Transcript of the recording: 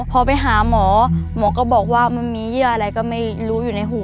พอไปหาหมอหมอก็บอกว่ามันมีเยื่ออะไรก็ไม่รู้อยู่ในหัว